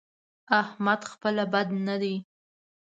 احمد خپله بد نه دی؛